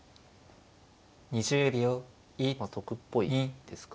まあ得っぽいですか。